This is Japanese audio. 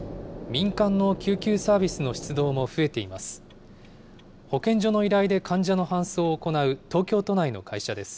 民間の救急サービスの出動も増えています。